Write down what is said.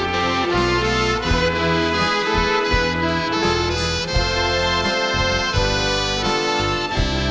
ขอบความจากฝ่าให้บรรดาดวงคันสุขสิทธิ์